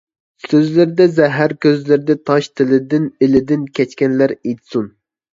سۆزلىرىدە زەھەر، كۆزلىرىدە تاش، تىلىدىن، ئېلىدىن كەچكەنلەر ئېيتسۇن.